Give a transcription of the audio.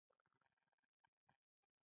زردالو له نارنجي لمر سره ورته والی لري.